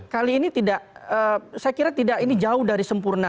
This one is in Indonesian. kali ini tidak saya kira tidak ini jauh dari sempurna